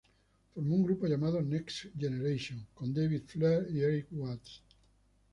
Formó un grupo llamado Next Generation con David Flair y Erik Watts.